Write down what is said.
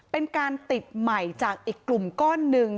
เป็นการติดใหม่จากอีกกลุ่มก้อนหนึ่ง